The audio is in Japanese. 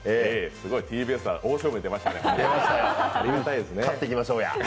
ＴＢＳは大勝負に出ましたね。